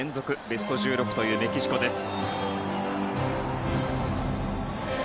ベスト１６というメキシコです。